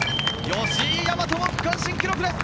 吉居大和も区間新記録です。